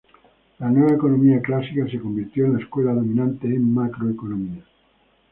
La nueva economía clásica se convirtió en la escuela dominante en macroeconomía.